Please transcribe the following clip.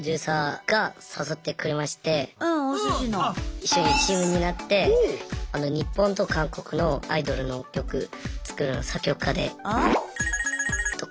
一緒にチームになって日本と韓国のアイドルの曲作る作曲家でとか。